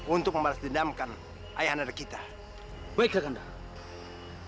untuk mencari kembali ke tempat yang lebih baik untuk kita berada di luar negara ini